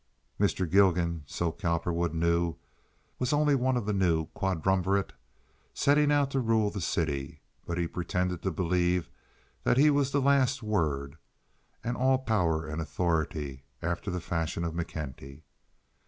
Mr. Gilgan, so Cowperwood knew, was only one of a new quadrumvirate setting out to rule the city, but he pretended to believe that he was the last word—an all power and authority—after the fashion of McKenty.